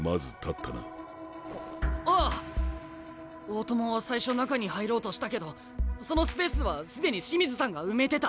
大友は最初中に入ろうとしたけどそのスペースは既に清水さんが埋めてた。